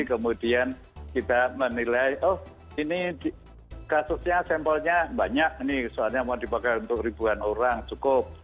kemudian kita menilai oh ini kasusnya sampelnya banyak ini soalnya mau dipakai untuk ribuan orang cukup